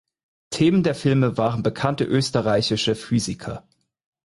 Themen der Filme waren bekannte österreichische Physiker.